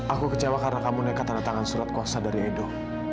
aku kecewa karena kamu nekat tanda tangan surat kuasa dari edo